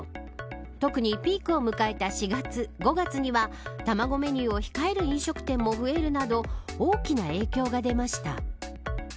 特にピークを迎えた４月、５月には卵メニューを控える飲食店も増えるなど大きな影響が出ました。